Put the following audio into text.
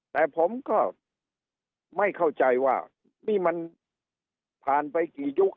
แต่ผมก็ไม่เข้าใจว่านี่มันผ่านไปกี่ยุค